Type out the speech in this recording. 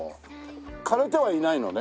枯れてはいないのね？